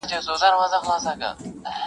د زمري په کابینه کي خر وزیر وو.!